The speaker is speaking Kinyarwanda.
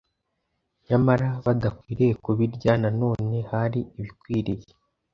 nyamara badakwiriye kubirya Na none hari ibikwiriye